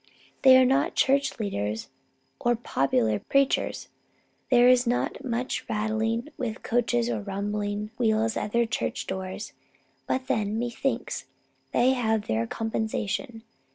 They are not church leaders or popular preachers. There is not much rattling with coaches or rumbling with wheels at their church door. But, then, methinks, they have their compensation.